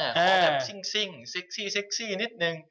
เขาแบบซิ่งซิกซี่นิดนึง